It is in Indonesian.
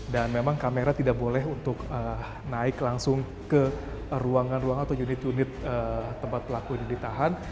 dan memang kamera tidak boleh untuk naik langsung ke ruangan ruangan atau unit unit tempat pelaku ini ditahan